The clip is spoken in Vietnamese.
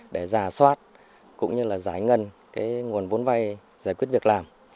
để giả soát cũng như giải ngân nguồn vốn vay giải quyết việc làm